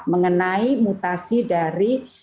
mengenai mutasi dari